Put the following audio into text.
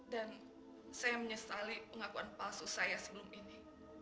dan saya menyesali pengakuan palsu saya sebelum ini